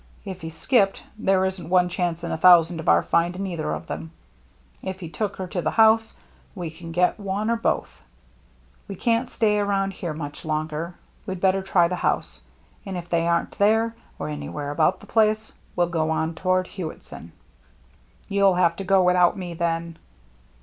If he skipped, there isn't one chance in a thousand of our finding either of them. If he took her to the house, we can get one or both. We can't stay around here much longer. We'd better try the house, and if they aren't there, or anywhere about the place, we'll go on toward Hewittson." " You'll have to go without me, then."